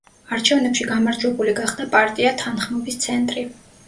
არჩევნებში გამარჯვებული გახდა პარტია თანხმობის ცენტრი.